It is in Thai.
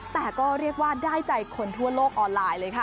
แต่ก็เรียกว่าได้ใจคนทั่วโลกออนไลน์เลยค่ะ